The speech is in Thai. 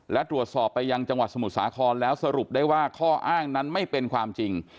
และตรวจสอบไปยังจังหวัดสมุทรสาครแล้วสรุปได้ว่าข้ออ้างนั้นไม่เป็นความจริง